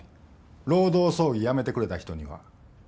労働争議やめてくれた人には。